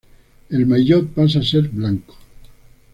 El maillot pasa a ser blanco.